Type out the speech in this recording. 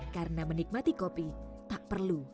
karena menikmati kopi tak perlu